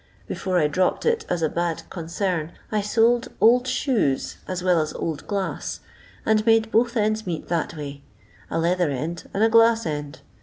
Before I dropped it as a bad consam, I sold old shoes as well as old glass, and made both ends meet that way, a leather end and a glass end.